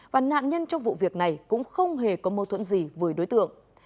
và nạn nhân trong vụ việc này cũng không hề có mâu thuẫn gì với đối tượng